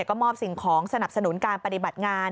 ก็มอบสิ่งของสนับสนุนการปฏิบัติงาน